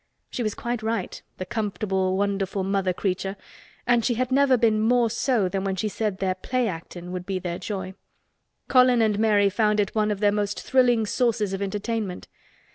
She was quite right, the comfortable wonderful mother creature—and she had never been more so than when she said their "play actin'" would be their joy. Colin and Mary found it one of their most thrilling sources of entertainment.